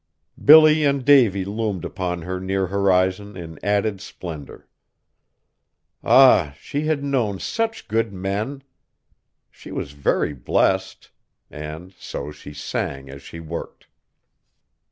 Billy and Davy loomed upon her near horizon in added splendor. Ah! she had known such good men! She was very blest. And so she sang as she worked.